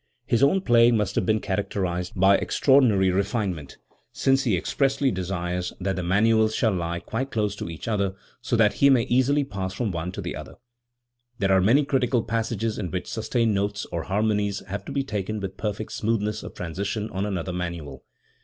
His own playing must have been charac terised by extraordinary refinement, since he expressly desires that the manuals shall lie quite close to each other, so that he may easily pass from one to the other*. There are many critical passages in which sustained notes or harmonies have to be taken with perfect smoothness of transition on another manual.